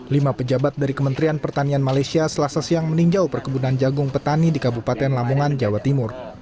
lima pejabat dari kementerian pertanian malaysia selasa siang meninjau perkebunan jagung petani di kabupaten lamongan jawa timur